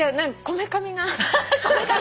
「こめかみが」